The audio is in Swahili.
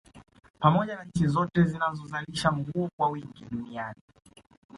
Pamoja na nchi zote zinazozalisha nguo kwa wingi Duniani